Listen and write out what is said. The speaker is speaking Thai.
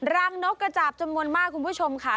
งนกกระจาบจำนวนมากคุณผู้ชมค่ะ